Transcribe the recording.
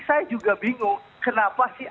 saya juga bingung kenapa sih